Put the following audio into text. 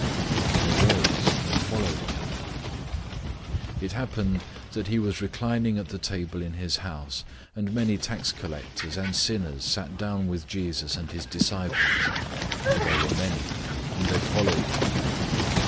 And he arose and followed him. 002:015 It happened, that he was reclining at the table in his house, and many tax collectors and sinners sat down with Jesus and his disciples, for there were many, and they followed him.